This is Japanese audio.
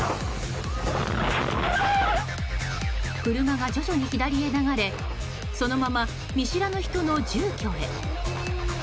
車が徐々に左へ流れそのまま見知らぬ人の住居へ。